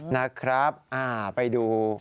นะครับไปดู